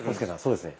そうですね。